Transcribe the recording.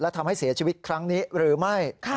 ทำให้เสียชีวิตครั้งนี้หรือไม่